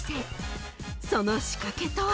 ［その仕掛けとは］